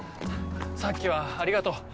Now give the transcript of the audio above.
さっきはありがとう。